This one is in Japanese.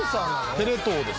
テレ東です。